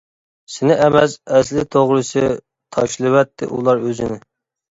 سىنى ئەمەس ئەسلى توغرىسى، تاشلىۋەتتى ئۇلار ئۆزىنى.